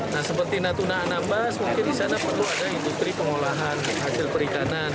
nah seperti natuna anambas mungkin di sana perlu ada industri pengolahan hasil perikanan